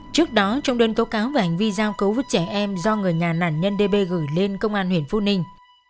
trước đó trong đơn tố cáo về hành vi giao cấu với trẻ em do người nhà nạn nhân đê bê gửi lên công an huyện phu ninh